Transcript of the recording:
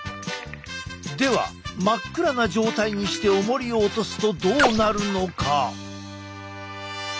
では真っ暗な状態にしておもりを落とすとどうなるのか？